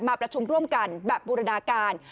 มาประชุมร่วมกันแบบบูรณาการ